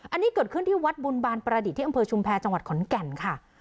อันนี้เกิดขึ้นที่วัดบุญบาลประดิษฐ์ที่อำเภอชุมแพรจังหวัดขอนแก่นค่ะ